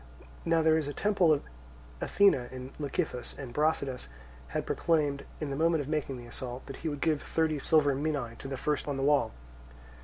Now there is a temple of Athene in Lecythus, and Brasidas had proclaimed in the moment of making the assault that he would give thirty silver minae to the man first on the wall.